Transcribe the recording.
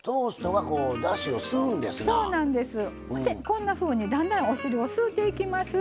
こんなふうにだんだんお汁を吸うていきます。